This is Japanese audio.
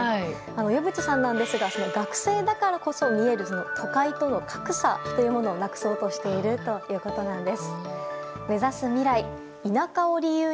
岩淵さんですが学生だからこそ見える都会との格差をなくそうとしているということなんです。